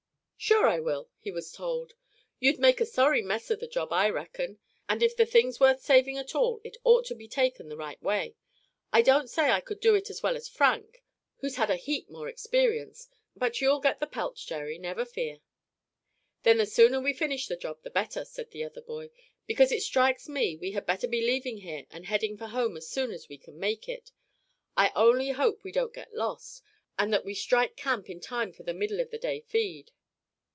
"Sure I will!" he was told. "You'd make a sorry mess of the job, I reckon; and if the thing's worth saving at all it ought to be taken the right way. I don't say I could do it as well as Frank, who's had a heap more experience; but you'll get the pelt, Jerry, never fear." "Then the sooner we finish the job the better," said the other boy; "because it strikes me we had better be leaving here and heading for home as soon as we can make it. I only hope we don't get lost, and that we strike camp in time for the middle of the day feed."